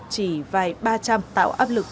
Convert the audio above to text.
chỉ vài ba trăm linh tạo áp lực